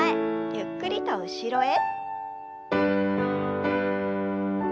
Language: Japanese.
ゆっくりと後ろへ。